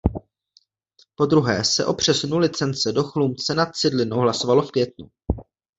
Podruhé se o přesunu licence do Chlumce nad Cidlinou hlasovalo v květnu.